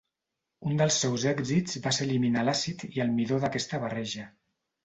Un dels seus èxits va ser eliminar l'àcid i el midó d'aquesta barreja.